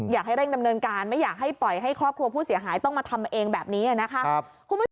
อยากให้เร่งดำเนินการไม่อยากให้ปล่อยให้ครอบครัวผู้เสียหายต้องมาทำเองแบบนี้นะคะ